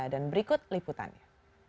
dan berikut liputannya